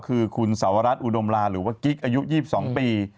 คือคุณสาวรัฐอุดมลาหรือว่ากิ๊กอายุ๒๒ปี